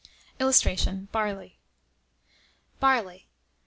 [Illustration: BARLEY.] BARLEY.